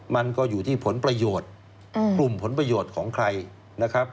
มันก็อยู่ที่ผลประโยชน์กลุ่มผลประโยชน์ของใครนะครับ